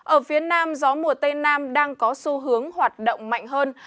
ở phía nam gió mùa tây nam đang có xu hướng hoạt động mạnh hơn